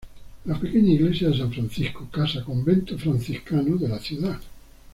La pequeña iglesia de San Francisco, casas convento franciscano de la ciudad.